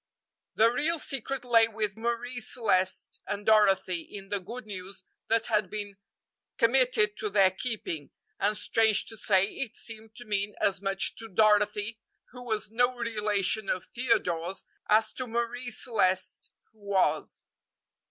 The real secret lay with Marie Celeste and Dorothy in the good news that had been committed to their keeping; and, strange to say, it seemed to mean as much to Dorothy, who was no relation of Theodore's, as to Marie Celeste, who was.